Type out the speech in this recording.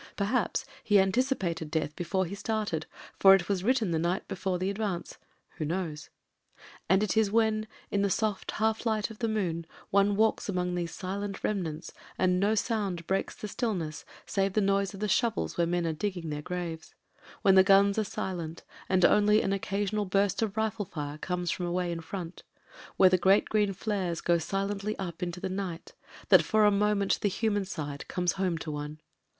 Perhaps he anticipated death before he started, for it was written the night before the advance — who knows ? And it is when, in the soft half light of the moon, one walks among these silent remnants, and no sound breaks the stillness save the noise of the shovels where men are digging their graves; when the gtms are silent and only an occasional burst of rifle fire comes from away in front, where the great green flares go sileatly NO ANSWER 303 up into the night, that for a moment the human side comes home to one.